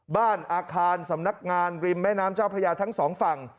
บ้านอาคารสำนักงานริมแม่น้ำเจ้าพระยาทั้งสองฝั่ง